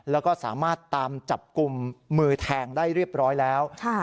แล้วก็สามารถตามจับกลุ่มมือแทงได้เรียบร้อยแล้ว